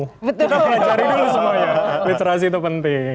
kita pelajari dulu semuanya literasi itu penting